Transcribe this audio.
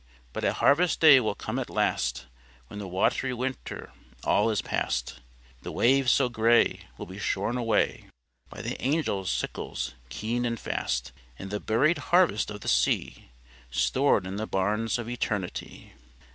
"But a harvest day will come at last When the watery winter all is past; The waves so gray Will be shorn away By the angels' sickles keen and fast; And the buried harvest of the sea Stored in the barns of eternity."